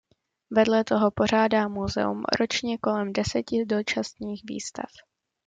Vedle toho pořádá muzeum ročně kolem deseti dočasných výstav.